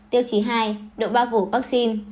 tiêu chí hai độ bao vụ vaccine